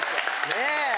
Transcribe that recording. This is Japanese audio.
ねえ！